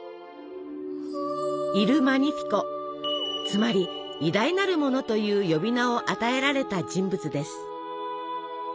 つまり「偉大なる者」という呼び名を与えられた人物です。